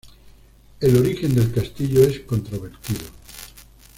El origen del castillo es controvertido.